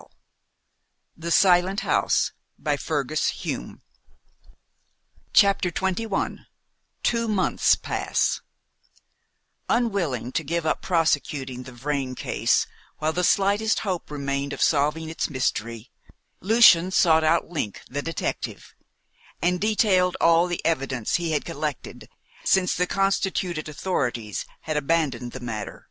"Doctor Jorce himself. I feel sure of it." CHAPTER XXI TWO MONTHS PASS Unwilling to give up prosecuting the Vrain case while the slightest hope remained of solving its mystery, Lucian sought out Link, the detective, and detailed all the evidence he had collected since the constituted authorities had abandoned the matter.